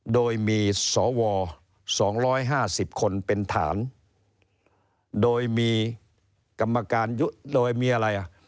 โดยมีสว๒๕๐คนเป็นฐานโดยมีกรรมการยุทธ์โดยมีอะไรอ่ะ